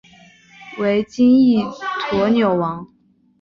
为金印驼纽王。